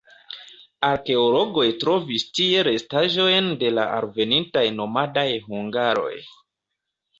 Arkeologoj trovis tie restaĵojn de la alvenintaj nomadaj hungaroj.